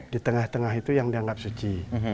di tengah tengah itu yang dianggap suci